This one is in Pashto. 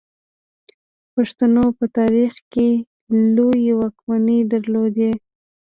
پښتنو په تاریخ کې لویې واکمنۍ درلودې